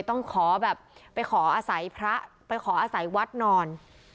ต้องขอแบบไปขออาศัยพระไปขออาศัยวัดนอน